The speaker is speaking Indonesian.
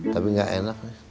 tapi gak enak nih